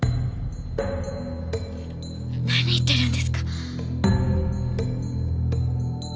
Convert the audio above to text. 何言ってるんですか。